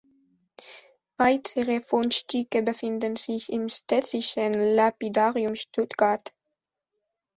Weitere Fundstücke befinden sich im Städtischen Lapidarium Stuttgart.